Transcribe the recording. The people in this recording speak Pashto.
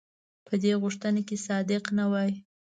په دې غوښتنه کې صادق نه وای.